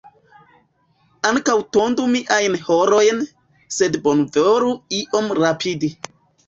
Ankaŭ tondu miajn harojn, sed bonvolu iom rapidi.